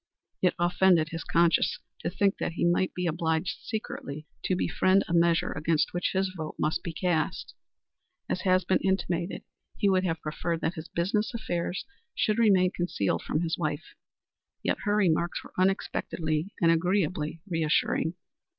It offended his conscience to think that he might be obliged secretly to befriend a measure against which his vote must be cast. As has been intimated, he would have preferred that his business affairs should remain concealed from his wife. Yet her remarks were unexpectedly and agreeably reassuring.